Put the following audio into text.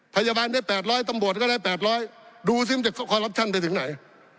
พยาบาลได้๘๐๐ตำรวจก็ได้๘๐๐ดูซิมันจะคอรัปชั่นไปถึงไหน